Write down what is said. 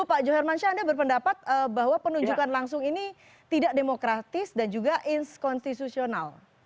pak johermansyah anda berpendapat bahwa penunjukan langsung ini tidak demokratis dan juga inskonstitusional